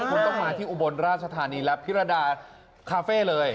คุณต้องมาที่อุบลราชธานีและพิรดาคาเฟ่เลย